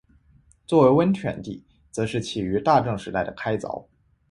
作为温泉地则是起于大正时代的开凿。